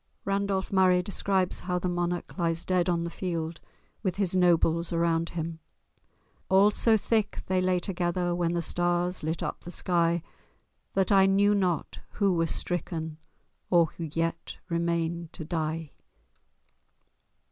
Randolph Murray describes how the monarch lies dead on the field with his nobles round him. "All so thick they lay together, When the stars lit up the sky, That I knew not who were stricken, Or who yet remained to die."